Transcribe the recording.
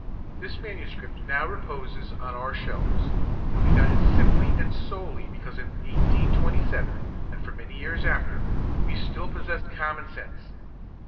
This manuscript now reposes on our shelves, and we got it simply and solely because in 1827 (and for many years after) we still possessed common sense.